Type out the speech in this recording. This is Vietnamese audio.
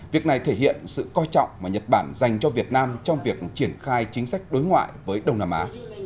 việc này thể hiện sự coi trọng mà nhật bản dành cho việt nam trong việc triển khai chính sách đối ngoại với đông nam á